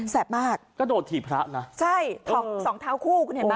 มากกระโดดถี่พระนะใช่ถอกสองเท้าคู่คุณเห็นไหม